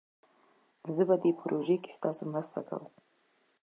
زه په دي پروژه کښي ستاسو مرسته کووم